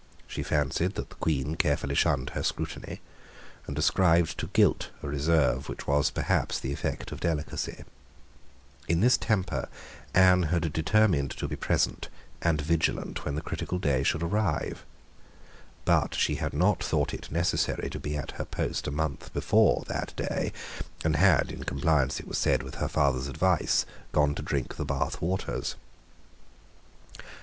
She fancied that the Queen carefully shunned her scrutiny, and ascribed to guilt a reserve which was perhaps the effect of delicacy. In this temper Anne had determined to be present and vigilant when the critical day should arrive. But she had not thought it necessary to be at her post a month before that day, and had, in compliance, it was said, with her father's advice, gone to drink the Bath waters.